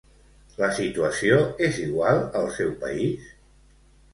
La situació és igual al seu país?